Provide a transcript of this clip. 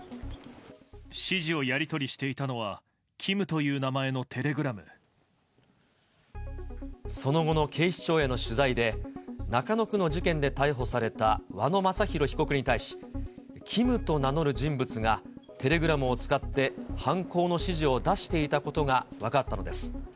指示をやり取りしていたのはその後の警視庁への取材で、中野区の事件で逮捕された和野正弘被告に対し、ＫＩＭと名乗る人物がテレグラムを使って、犯行の指示を出していたことが分かったのです。